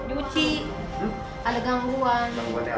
di uci ada gangguan